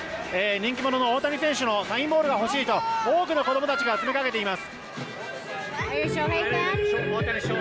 人気者の大谷選手のサインボールが欲しいと多くの子供たちが駆け寄っています。